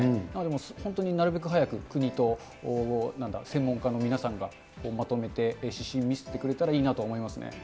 なので、本当になるべく早く国となんだ、専門家の皆さんがまとめて指針を見せてくれたらいいなと思いますね。